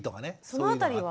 その辺りは？